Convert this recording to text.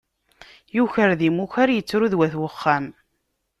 Yuker d imukar, ittru d wat uxxam.